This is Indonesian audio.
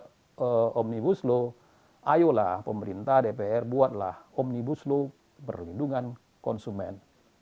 kalau omnibus law ayolah pemerintah dpr buatlah omnibus law perlindungan konsumen